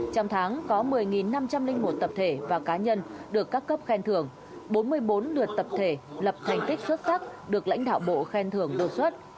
trong tháng có một mươi năm trăm linh một tập thể và cá nhân được các cấp khen thưởng bốn mươi bốn lượt tập thể lập thành tích xuất sắc được lãnh đạo bộ khen thưởng đột xuất